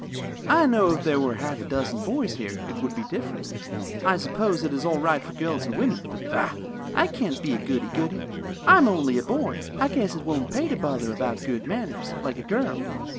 I know if there were half a dozen boys here, it would be different. I suppose it is all right for girls and women, but, bah! I can't be a goody goody. I am only a boy. I guess it won't pay to bother about good manners, like a girl.